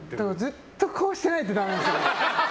ずっとこうしてないとダメなんですよ。